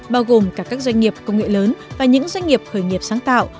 bao gồm cả các doanh nghiệp công nghệ lớn và những doanh nghiệp khởi nghiệp sáng tạo